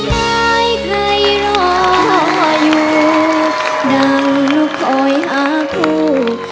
ใครใครรออยู่ดั่งหนูคอยหากลูก